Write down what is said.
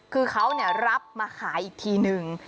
คือเขารับมาขายอีกทีนึง